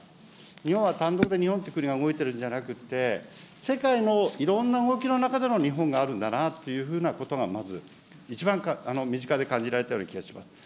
日本は単独で、日本という国が動いてるんじゃなくて、世界のいろんな動きの中での日本があるんだなっていうふうなことが、まず、一番身近で感じられたような気がします。